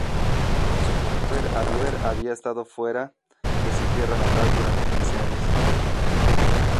Su cadáver había estado fuera de su tierra natal durante quince años.